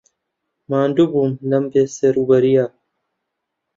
ماندوو بووم لەم بێسەروبەرییە.